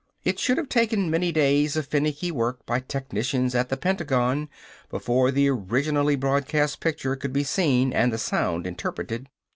It should have taken many days of finicky work by technicians at the Pentagon before the originally broadcast picture could be seen and the sound interpreted.